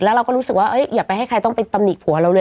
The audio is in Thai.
แล้วเราก็รู้สึกว่าอย่าไปให้ใครต้องไปตำหนิผัวเราเลย